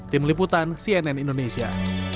tim liputan cnn indonesia